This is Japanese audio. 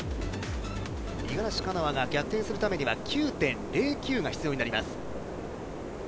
五十嵐カノアが逆転するためには９．０９が必要になります。